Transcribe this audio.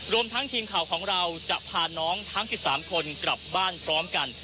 รวมทั้งทีมข่าวของเราจะพาน้องทั้ง๑๓คนกลับบ้านพร้อมกัน